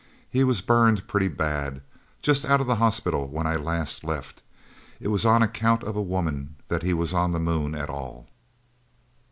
He was burned pretty bad. Just out of the hospital when I last left. It was on account of a woman that he was on the Moon at all."